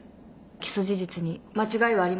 起訴事実に間違いはありますか。